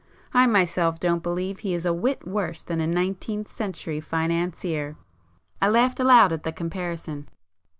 I myself don't believe he is a whit worse than a nineteenth century financier!" I laughed aloud at the comparison.